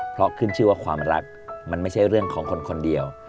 เพราะขึ้นชื่อว่าความรักมันไม่ใช่เรื่องของคนคนเดียว